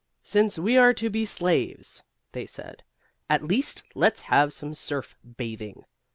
"Since we are to be slaves," they said, "at least let's have some serf bathing."